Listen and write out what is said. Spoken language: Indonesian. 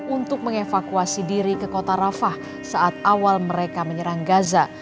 untuk mengevakuasi diri ke kota rafah saat awal mereka menyerang gaza